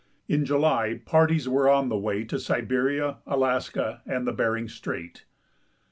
In July par ties were on the way to Siberia, Alaska, and Eering strait.